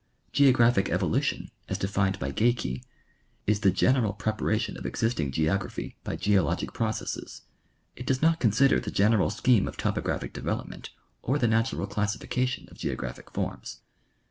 Geographic evolution, as defined by Geikie, is the general preparation of existing geogra phy by geologic jDrocesses. It does not consider the general scheme of topographic development or the natural classification of geographic forms.